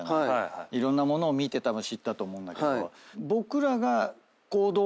いろんなものを見てたぶん知ったと思うんだけど。